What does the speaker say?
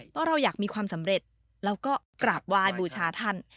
เพราะเราอยากมีความสำเร็จเราก็กราบไหว้บูชาท่าน